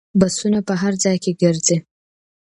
بسونه په هر ځای کې ګرځي.